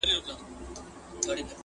د دې بې دردو په ټاټوبي کي بازار نه لري٫